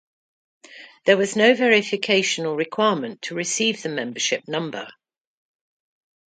There was no verification or requirement to receive the membership number.